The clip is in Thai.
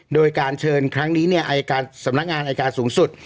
โดยการเชิญครั้งนี้อายการสำนักงานอายการสูงสุด